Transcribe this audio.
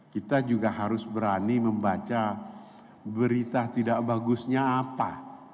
kita juga harus berani membaca berita tidak bagusnya apa